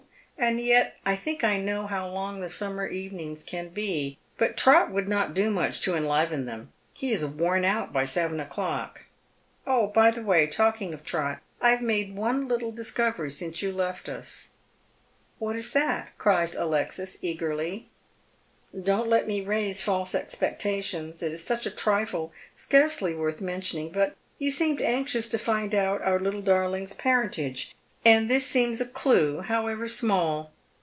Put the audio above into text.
And yet I think I know how long the summer evenings can be. But Trot would not do much to enliven them. He is worn out by seven o'clock. Oh, by the way, talking of Trot, I have made one little discovery since you left us." " What is that ?" cries Alexis, eagerly. " Don't let me raise false expectations. It is such a trifle, scarcely worth mentioning, but you seemed anxious to find out our little darling's parentage, and this seems a clue, however small."